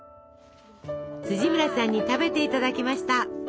村さんに食べていただきました。